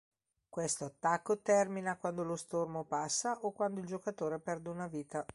Questo attacco termina quando lo stormo passa o quando il giocatore perde una vita.